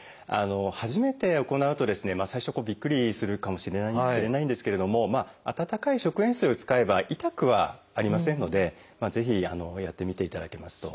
初めて行うとですね最初びっくりするかもしれないんですけれども温かい食塩水を使えば痛くはありませんのでぜひやってみていただけますと。